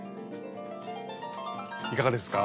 いかがですか？